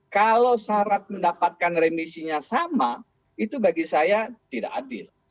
kalau syarat mendapatkan remisinya sama itu bagi saya tidak adil